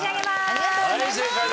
ありがとうございます！